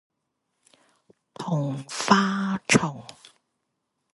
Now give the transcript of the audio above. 桐花松